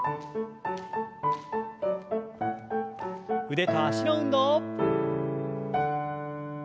腕と脚の運動。